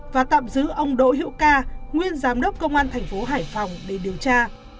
và tạm giữ ông đỗ hữu ca nguyên giám đốc công an thành phố hải phòng để điều tra